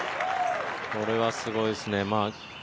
これはすごいですね。